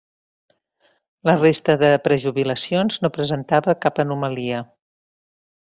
La resta de prejubilacions no presentava cap anomalia.